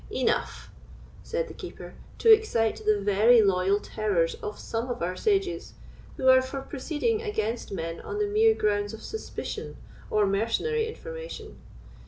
"Enough," said the Keeper, "to excite the very loyal terrors of some of our sages, who are for proceeding against men on the mere grounds of suspicion or mercenary information.